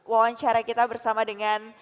wawancara kita bersama dengan